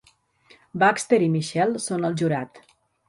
Baxxter i Michelle són al jurat.